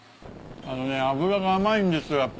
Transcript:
あのね脂が甘いんですよ